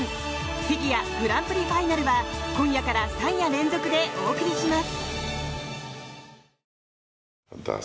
フィギュアグランプリファイナルは今夜から３夜連続でお送りします。